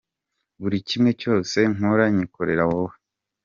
Buri kimwe cyose nkora nkikorera wowe.